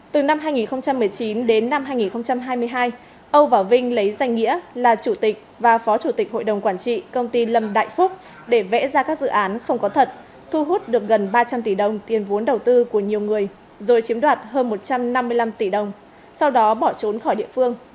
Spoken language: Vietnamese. từ năm hai nghìn một mươi chín đến năm hai nghìn hai mươi hai âu và vinh lấy danh nghĩa là chủ tịch và phó chủ tịch hội đồng quản trị công ty lâm đại phúc để vẽ ra các dự án không có thật thu hút được gần ba trăm linh tỷ đồng tiền vốn đầu tư của nhiều người rồi chiếm đoạt hơn một trăm năm mươi năm tỷ đồng sau đó bỏ trốn khỏi địa phương